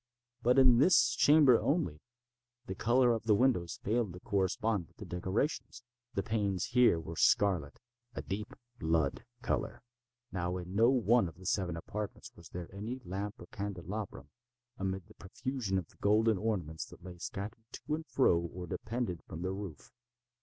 But in this chamber only, the color of the windows failed to correspond with the decorations. The panes here were scarlet—a deep blood color. Now in no one of the seven apartments was there any lamp or candelabrum, amid the profusion of golden ornaments that lay scattered to and fro or depended from the roof.